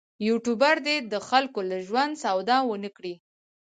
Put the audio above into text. یوټوبر دې د خلکو له ژوند سودا ونه کړي.